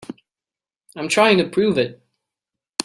I'm trying to prove it.